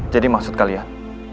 jadi maksud kalian